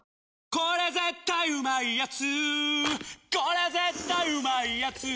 これ絶対うまいやつ」